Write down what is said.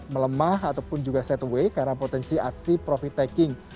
melemah ataupun juga set away karena potensi aksi profit taking